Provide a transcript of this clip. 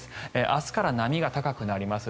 明日から波が高くなります。